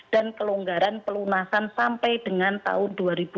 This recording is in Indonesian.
dan kelonggaran pelunasan sampai dengan tahun dua ribu dua puluh satu